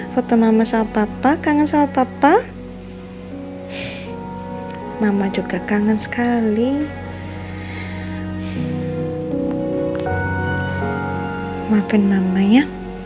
foto mama sama papa kangen sama papa mama juga kangen sekali maafin namanya